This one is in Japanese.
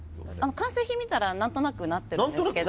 完成品を見たら何となくなってたんですけど。